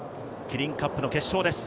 キリンカップの決勝です。